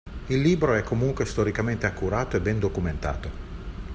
Il libro è comunque storicamente accurato e ben documentato.